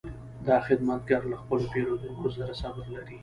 دا خدمتګر له خپلو پیرودونکو سره صبر لري.